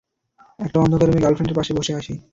একটা অন্ধকার রুমে গার্লফ্রেন্ডের পাশে বসে আছি।